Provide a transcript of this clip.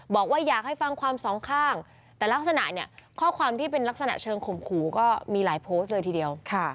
บอกว่าอยากให้ฟังความสองข้างแต่ลักษณะเนี่ยข้อความที่เป็นลักษณะเชิงข่มขู่ก็มีหลายโพสต์เลยทีเดียว